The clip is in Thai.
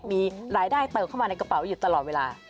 มีรายได้เติมเข้ามาในกระเป๋าอยู่ตลอดเวลา